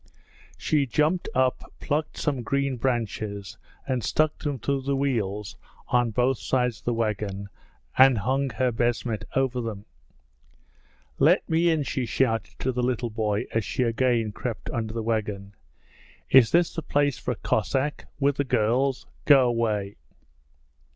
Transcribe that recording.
She jumped up, plucked some green branches, and stuck them through the wheels on both sides of the wagon and hung her beshmet over them. 'Let me in,' she shouted to the little boy as she again crept under the wagon. 'Is this the place for a Cossack with the girls? Go away!'